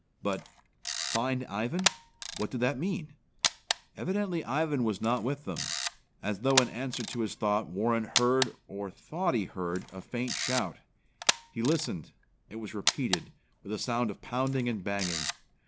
But "Find Ivan." What did that mean? Evidently Ivan was not with them. As though in answer to his thought, Warren heard or thought he heard a faint shout. He listened. It was repeated, with a sound of pounding and banging.